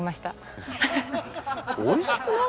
おいしくない？